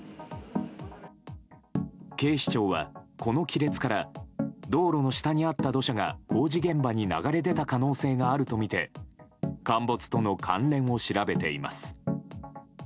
警視庁は、この亀裂から道路の下にあった土砂が工事現場に流れ出た可能性があるとみて陥没との関連を調べています。